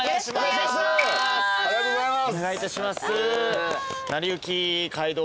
うれしいありがとうございます。